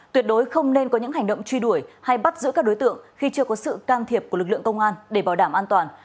tuyệt đối không nên có những hành động truy đuổi hay bắt giữ các đối tượng khi chưa có sự can thiệp của lực lượng công an để bảo đảm an toàn